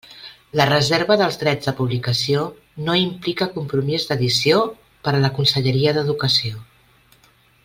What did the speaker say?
La reserva dels drets de publicació no implica compromís d'edició per a la Conselleria d'Educació.